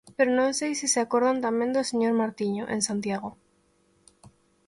Pero non sei se se acordan tamén do señor Martiño, en Santiago.